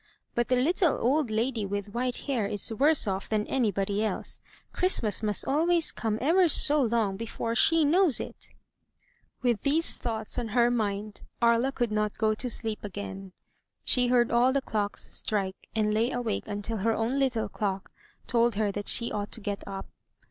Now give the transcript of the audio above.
But the little old lady with white hair is worse off than anybody else. Christmas must always come ever so long before she knows it.*' With these thoughts on her mind. Aria could not go to sleep again. She heard all the clocks strike, and lay awake until her own little clock told her that she ought to get up.